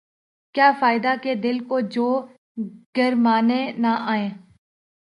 کیا فائدہ کہ دل کو جو گرمانے نہ آئیں